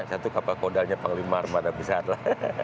satu kapal kondalnya panglimar mana bisa lah